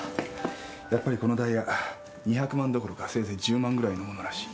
やっぱりこのダイヤ２００万どころかせいぜい１０万ぐらいの物らしい。